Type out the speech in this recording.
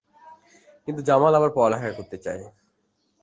কিন্তু জামাল আবার পড়ালেখা করতে চায়।